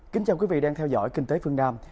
kính chào quý vị đang theo dõi kinh tế phương nam